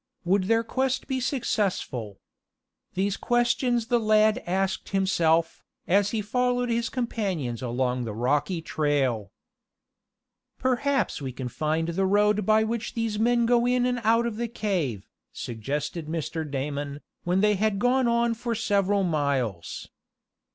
Would their quest be successful? These questions the lad asked himself, as he followed his companions along the rocky trail. "Perhaps we can find the road by which these men go in and out of the cave," suggested Mr. Damon, when they had gone on for several miles.